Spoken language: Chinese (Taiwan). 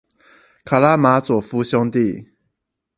卡拉馬佐夫兄弟